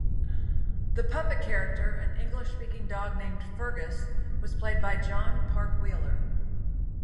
The puppet-character, an English-speaking dog named Fergus, was played by Jon Park-Wheeler.